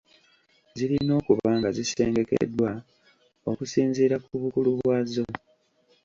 Zirina okuba nga zisengekeddwa okusinziira ku bukulu bwazo.